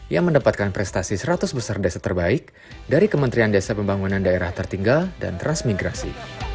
yang mendapatkan prestasi seratus besar desa terbaik dari kementerian desa pembangunan daerah tertinggal dan transmigrasi